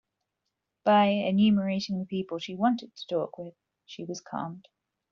By enumerating the people she wanted to talk with, she was calmed.